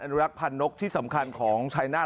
อุรักษ์พันธ์นกที่สำคัญของชายนาฏ